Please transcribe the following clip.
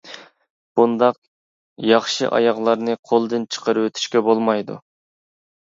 بۇنداق ياخشى ئاياغلارنى قولدىن چىقىرىۋېتىشكە بولمايدۇ.